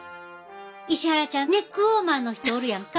石原ちゃんネックウォーマーの人おるやんか。